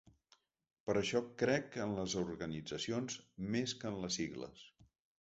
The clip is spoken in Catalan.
Per això crec en les organitzacions –més que en les sigles-.